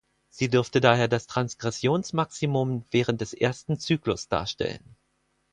Sie dürfte daher das Transgressionsmaximum während des ersten Zyklus darstellen.